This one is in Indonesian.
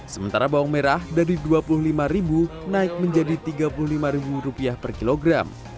sementara bawang merah dari rp dua puluh lima naik menjadi rp tiga puluh lima per kilogram